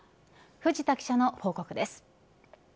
藤田記者の報告です。